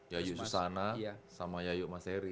yayu susana sama yayu mas eri